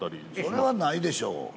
それはないでしょう。